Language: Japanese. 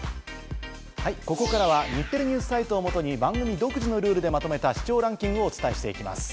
ここからは日テレＮＥＷＳサイトをもとに、番組独自のルールでまとめた視聴ランキングをお伝えします。